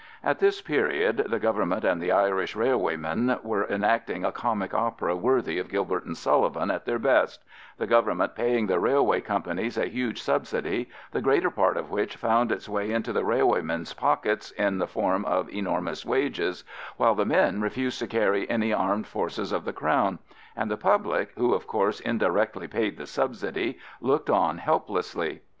At this period the Government and the Irish railwaymen were enacting a comic opera worthy of Gilbert and Sullivan at their best, the Government paying the railway companies a huge subsidy, the greater part of which found its way into the railwaymen's pockets in the form of enormous wages, while the men refused to carry any armed forces of the Crown; and the public, who, of course, indirectly paid the subsidy, looked on helplessly.